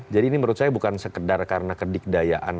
jadi ini menurut saya bukan sekedar karena kedikdayaan